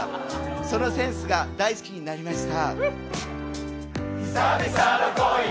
そのセンスが大好きになりました。